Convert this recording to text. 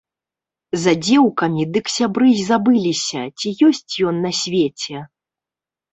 За дзеўкамі дык сябры й забыліся, ці ёсць ён на свеце.